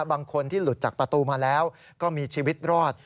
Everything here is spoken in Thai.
บางคนที่หลุดจากประตูมาแล้วก็มีชีวิตรอด